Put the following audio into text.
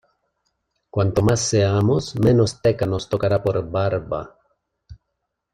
Cuanto más seamos, menos teca nos tocará por barba.